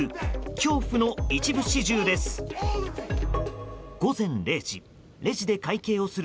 恐怖の一部始終です。